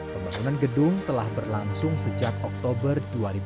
pembangunan gedung telah berlangsung sejak oktober dua ribu dua puluh